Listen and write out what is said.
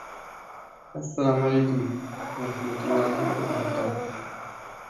Buchan died in Brighton, East Sussex.